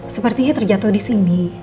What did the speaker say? sepertinya terjatuh disini